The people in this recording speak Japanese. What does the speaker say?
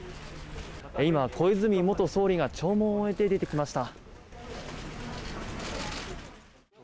今、小泉元総理が弔問を終えて出てきました。